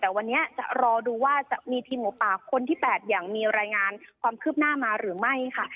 แต่วันนี้จะรอดูว่าจะมีทีมหมูป่าคนที่๘อย่างมีรายงานความคืบหน้ามาหรือไม่ค่ะ